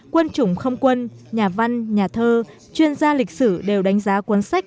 quân chủng không quân nhà văn nhà thơ chuyên gia lịch sử đều đánh giá quân sách